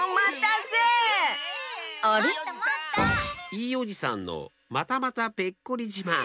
いいおじさんのまたまたペッコリじまん。